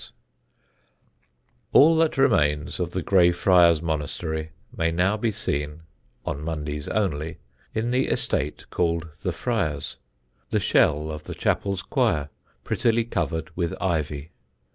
_] [Sidenote: THE WESTONS] All that remains of the Grey Friars monastery may now be seen (on Mondays only) in the estate called The Friars: the shell of the chapel's choir, prettily covered with ivy.